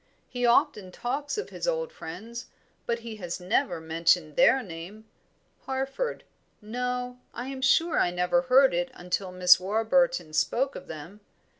"He often talks of his old friends, but he has never mentioned their name. Harford no, I am sure I never heard it until Miss Warburton spoke of them.